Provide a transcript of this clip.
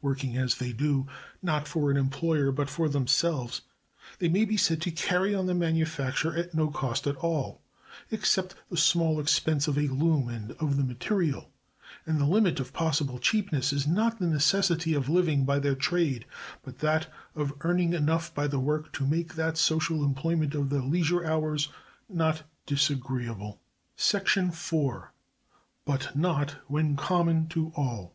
Working, as they do, not for an employer but for themselves, they may be said to carry on the manufacture at no cost at all, except the small expense of a loom and of the material; and the limit of possible cheapness is not the necessity of living by their trade, but that of earning enough by the work to make that social employment of their leisure hours not disagreeable. § 4. —But not when common to All.